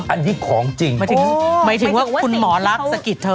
อันนี้ของจริงหมายถึงว่าคุณหมอลักษณ์สะกิดเธอ